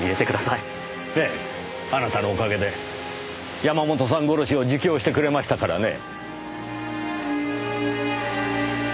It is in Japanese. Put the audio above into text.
ええあなたのおかげで山本さん殺しを自供してくれましたからね。